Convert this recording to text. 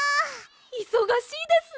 いそがしいですね！